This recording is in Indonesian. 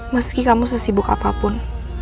meski kamu sesibuk apapun